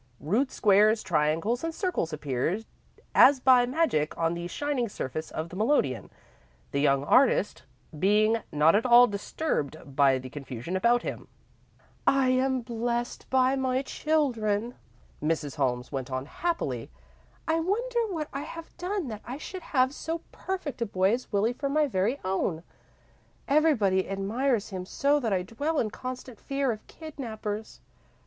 Rude squares, triangles, and circles appeared as by magic on the shining surface of the melodeon, the young artist being not at all disturbed by the confusion about him. "I am blessed in my children," Mrs. Holmes went on, happily. "I often wonder what I have done that I should have so perfect a boy as Willie for my very own. Everybody admires him so that I dwell in constant fear of kidnappers."